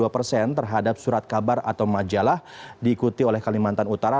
dua puluh dua persen terhadap surat kabar atau majalah diikuti oleh kalimantan utara